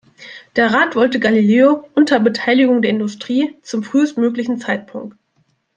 Der Rat wollte Galileo unter Beteiligung der Industrie zum frühestmöglichen Zeitpunkt.